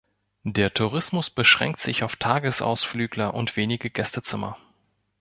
Der Tourismus beschränkt sich auf Tagesausflügler und wenige Gästezimmer.